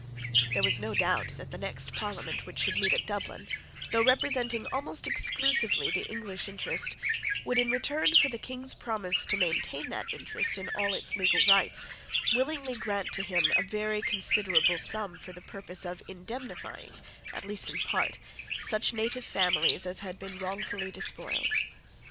There was no doubt that the next Parliament which should meet at Dublin, though representing almost exclusively the English interest, would, in return for the King's promise to maintain that interest in all its legal rights, willingly grant to him a very considerable sum for the purpose of indemnifying, at least in part, such native families as had been wrongfully despoiled.